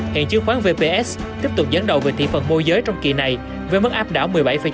hiện chứng khoán vbs tiếp tục dẫn đầu về thị phần môi giới trong kỳ này với mức áp đảo một mươi bảy chín mươi bốn